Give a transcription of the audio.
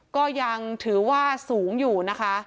ก็ยังถือว่าสูงอยู่นะคะ